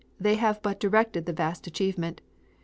They have but directed the vast achievement.